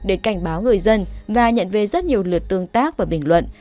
để cảnh báo người dân và nhận về rất nhiều lượt tương tác và bình luận